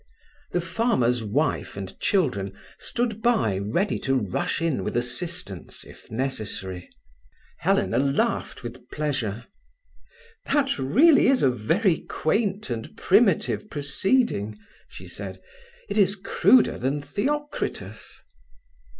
The farmer's wife and children stood by ready to rush in with assistance if necessary. Helena laughed with pleasure. "That is really a very quaint and primitive proceeding," she said. "It is cruder than Theocritus."